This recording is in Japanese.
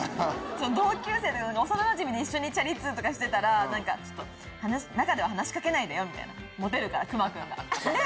同級生幼なじみで一緒にチャリ通とかしてたら「中では話し掛けないでよ」みたいなモテるから熊くんが。